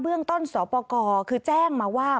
เรื่องต้นสปกรคือแจ้งมาว่า